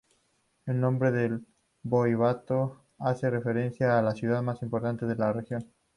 El nombre del voivodato hace referencia a la ciudad más importante de la región.